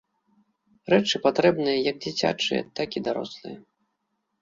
Рэчы патрэбныя як дзіцячыя, так і дарослыя.